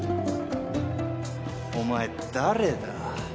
お前誰だ？